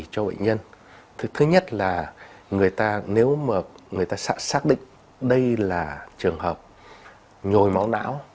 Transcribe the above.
thứ nhất là người ta nếu mà người ta xác định đây là trường hợp nhồi máu não